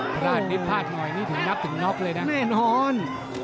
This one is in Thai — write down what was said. พลาดนิดพลาดหน่อยนี่ถึงนับถึงน็อกเลยนะแน่นอน